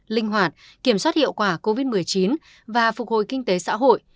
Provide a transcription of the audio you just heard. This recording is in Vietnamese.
linh hoạt kiểm soát hiệu quả covid một mươi chín và phục hồi kinh tế xã hội